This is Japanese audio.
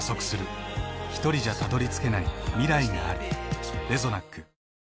ひとりじゃたどりつけない未来がある。